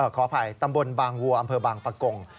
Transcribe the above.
ขออภัยตำบลบางวัวอำเภอบางปะกง